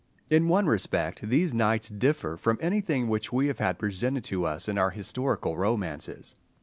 In one respect these knights differ from anything which we have had presented to us in our historical romances.